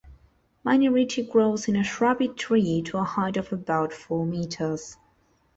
Miniritchie grows is a shrubby tree to a height of about four metres.